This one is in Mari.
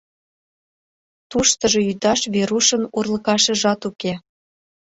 Туштыжо ӱдаш Верушын урлыкашыжат уке.